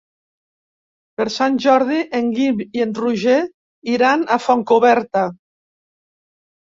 Per Sant Jordi en Guim i en Roger iran a Fontcoberta.